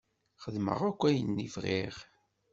Xedmeɣ akk ayen i bɣiɣ.